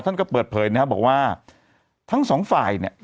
ท่านก็เปิดเผยนะครับบอกว่าทั้งสองฝ่ายเนี่ย